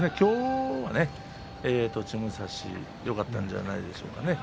今日、栃武蔵よかったんじゃないでしょうか。